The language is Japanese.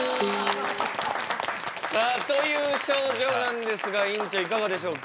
さあという症状なんですが院長いかがでしょうか。